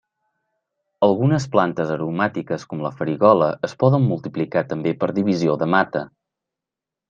Algunes plantes aromàtiques com la farigola es poden multiplicar també per divisió de mata.